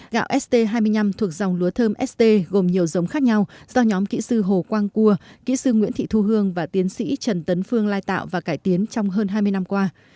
gạo st hai mươi năm thuộc dòng lúa thơm st gồm nhiều giống khác nhau do nhóm kỹ sư hồ quang cua kỹ sư nguyễn thị thu hương và tiến sĩ trần tấn phương lai tạo và cải tiến trong hơn hai mươi năm qua